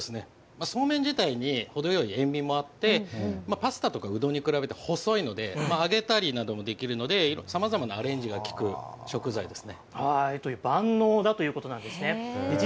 そうめん自体に塩味があってパスタやうどんに比べて細いので揚げたりなどもできるのでさまざまなアレンジがきく食材です。